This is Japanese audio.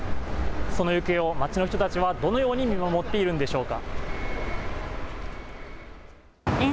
その行方を街の人たちは、どのように見守っているんでしょうか。